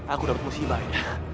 aku dapet musibah aida